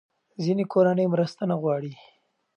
ځینې کورنۍ مرسته نه غواړي.